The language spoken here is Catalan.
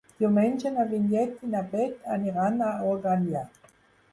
Diumenge na Vinyet i na Bet aniran a Organyà.